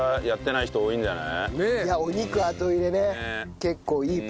いいんじゃない？